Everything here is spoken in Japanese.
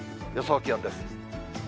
予想気温です。